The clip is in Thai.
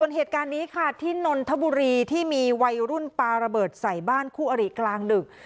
ส่วนเหตุการณ์นี้ค่ะที่นนทบุรีที่มีวัยรุ่นปลาระเบิดใส่บ้านคู่อริกลางดึก